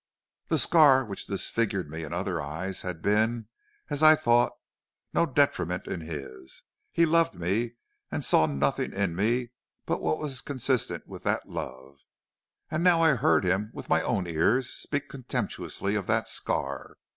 The scar which disfigured me in other eyes had been, as I thought, no detriment in his. He loved me, and saw nothing in me but what was consistent with that love. And now I heard him with my own ears speak contemptuously of that scar.